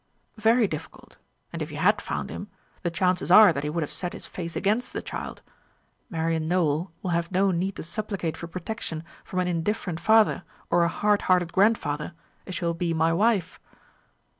"Very difficult. And if you had found him, the chances are that he would have set his face against the child. Marian Nowell will have no need to supplicate for protection from an indifferent father or a hard hearted grandfather, if she will be my wife.